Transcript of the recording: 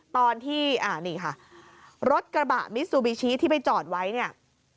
ตอนที่นี่ค่ะรถกระบะมิซูบิชิที่ไปจอดไว้เนี่ย